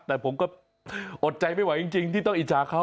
แต่ผมก็อดใจไม่ไหวจริงที่ต้องอิจฉาเขา